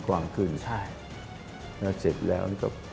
แล้วเสร็จแล้ว